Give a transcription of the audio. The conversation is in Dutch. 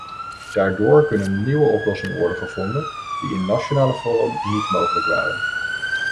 Daardoor kunnen nieuwe oplossingen worden gevonden die in nationale vorm niet mogelijk waren.